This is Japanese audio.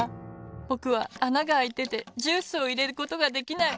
ぼくはあながあいててジュースをいれることができない。